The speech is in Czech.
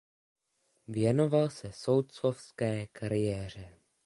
Věnoval se soudcovské kariéře.